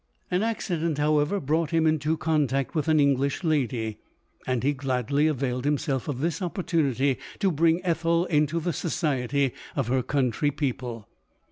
An accident, however, brought him into con tact with an English lady, and he gladly availed himself of this opportunity to bring Ethel into the society of her country people.